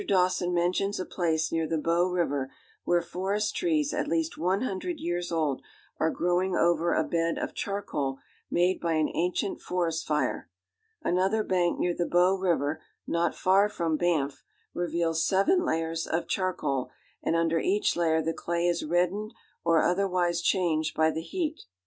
Dawson mentions a place near the Bow River where forest trees at least one hundred years old are growing over a bed of charcoal made by an ancient forest fire. Another bank near the Bow River, not far from Banff, reveals seven layers of charcoal, and under each layer the clay is reddened or otherwise changed by the heat.